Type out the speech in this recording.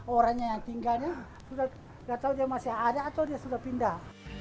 orangnya yang tinggalnya gak tau dia masih ada atau dia sudah pindah